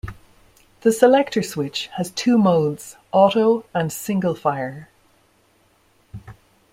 The selector switch has two modes, auto and single fire.